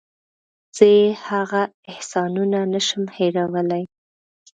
زه یې هغه احسانونه نشم هېرولی.